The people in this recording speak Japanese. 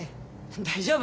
大丈夫！